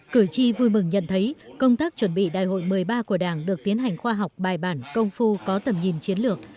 cử tri vui mừng nhận thấy công tác chuẩn bị đại hội một mươi ba của đảng được tiến hành khoa học bài bản công phu có tầm nhìn chiến lược